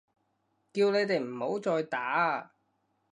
叫你哋唔好再打啊！